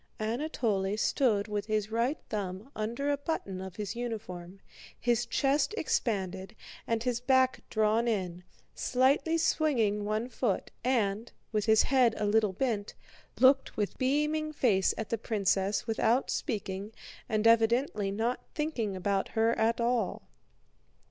Anatole stood with his right thumb under a button of his uniform, his chest expanded and his back drawn in, slightly swinging one foot, and, with his head a little bent, looked with beaming face at the princess without speaking and evidently not thinking about her at all.